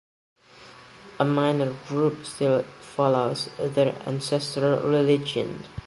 A minor group still follows their ancestral religion.